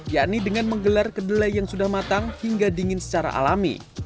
yakni dengan menggelar kedelai yang sudah matang hingga dingin secara alami